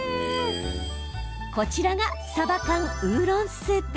こちらが、さば缶ウーロンスープ。